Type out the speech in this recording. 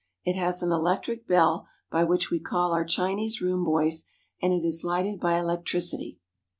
It has an electric bell, by which we call our Chinese room boy, and it is lighted by electricity.